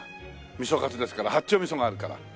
味噌カツですから八丁味噌があるから。